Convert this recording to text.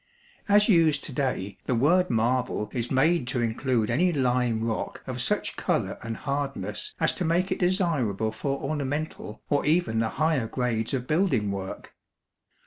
As used to day, the word marble is made to include any lime rock of such color and hardness as to make it desirable for ornamental, or even the higher grades of building work.